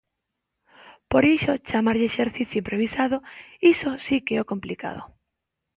Por iso, chamarlle exercicio improvisado, iso si que é o complicado.